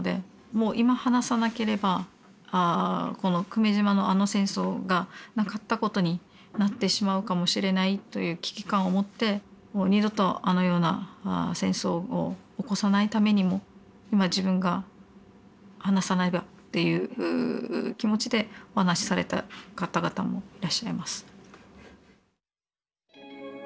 もう今話さなければこの久米島のあの戦争がなかったことになってしまうかもしれないという危機感を持ってもう二度とあのような戦争を起こさないためにも今自分が話さねばという気持ちでお話しされた方々もいらっしゃいます。